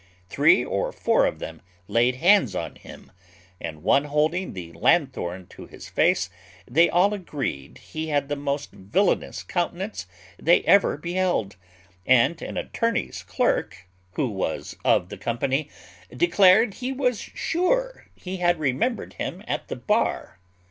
Three or four of them laid hands on him; and one holding the lanthorn to his face, they all agreed he had the most villainous countenance they ever beheld; and an attorney's clerk, who was of the company, declared he was sure he had remembered him at the bar.